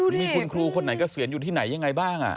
มีคุณครูคนไหนเกษียณอยู่ที่ไหนยังไงบ้าง